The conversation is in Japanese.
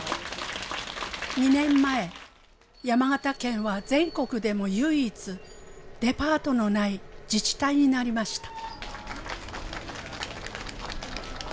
２年前山形県は全国でも唯一デパートのない自治体になりました。